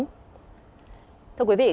người dân cần tỉnh táo